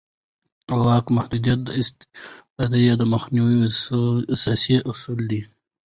د واک محدودیت د استبداد د مخنیوي اساسي اصل دی